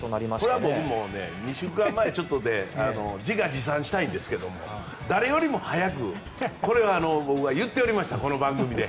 これは僕も、２週間前自画自賛したいんですけども誰よりも早くこれは僕が言っておりましたこの番組で。